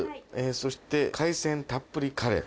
そして海鮮たっぷりカレー